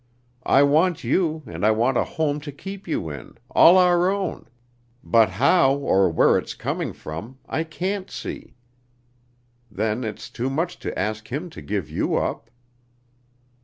"I want you and I want a home to keep you in, all our own, but how, or where it's coming from, I can't see. Then it's too much to ask him to give you up."